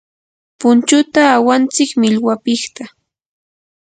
punchuta awantsik millwapiqta.